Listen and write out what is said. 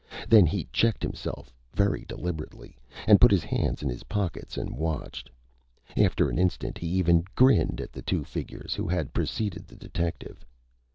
Then he checked himself very deliberately, and put his hands in his pockets, and watched. After an instant he even grinned at the two figures who had preceded the detective.